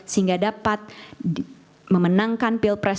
sehingga dapat memenangkan pilpres dua ribu dua puluh empat